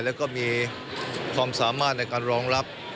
แล้วก็มีความสามารถในการรองรับ